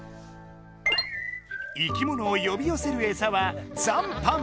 生きものをよびよせるエサは残飯。